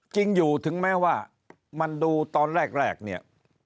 จริงอยู่ถึงแม้ว่ามันดูตอนแรกเนี่ย